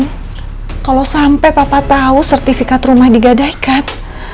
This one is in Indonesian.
dan kalau sampai papa tahu sertifikat rumah digadaikan